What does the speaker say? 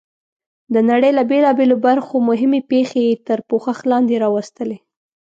د نړۍ له بېلابېلو برخو مهمې پېښې یې تر پوښښ لاندې راوستلې.